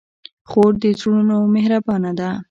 خور د زړونو مهربانه ده.